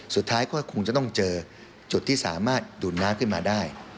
สุดท้ายก็คงจะต้องเจอจุดที่สามารถดูดน้ำขึ้นมาได้